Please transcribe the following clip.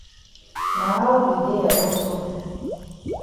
Na how you dey ya own so?